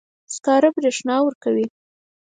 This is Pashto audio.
سکاره برېښنا ورکوي.